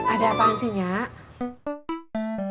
ada apain sih nyat